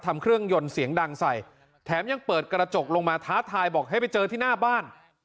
เครื่องยนต์เสียงดังใส่แถมยังเปิดกระจกลงมาท้าทายบอกให้ไปเจอที่หน้าบ้าน